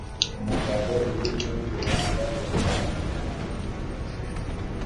Umugabo uri muri rubanda yazamuye amaboko yinginga